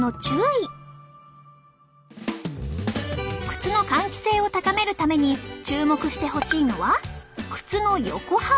靴の換気性を高めるために注目してほしいのは靴の横幅。